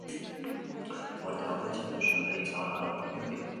Uharte bakoitzak bere zuzendaritza-organo propioak ditu.